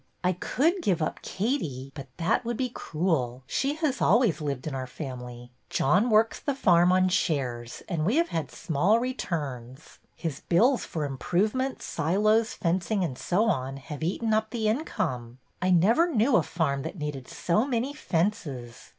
I could give up Katie, but that would be cruel. She has always lived in our family. John works the farm on shares, and we have had small returns. His bills for improvements, silos, fencing, and so on, have eaten up the income. I never knew a farm that needed so many fences.